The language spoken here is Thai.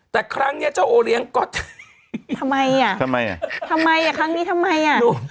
แต่ครั้งเนี้ยเจ้าโอเลี้ยงก็ทำไมอ่ะทำไมอ่ะทำไมอ่ะครั้งนี้ทำไมอ่ะดู